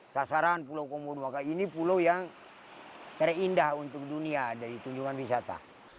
sasaran pulau komodo maka ini pulau yang terindah untuk dunia dari tujuan wisata